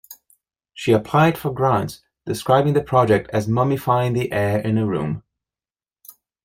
She applied for grants, describing the project as mummifying the air in a room.